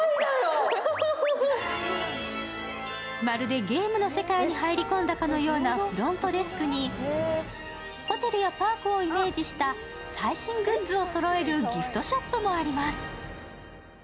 まるでゲームの世界に入り込んだかのようなフロントデスクにホテルやパークをイメージした最新グッズをそろえるギフトショップもあります。